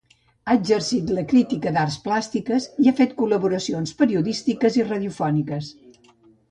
Ha exercit la crítica d'arts plàstiques i ha fet col·laboracions periodístiques i radiofòniques.